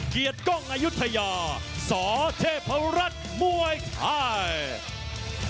เกียรติกล้องอายุทยาสเทพรัฐมวยไทย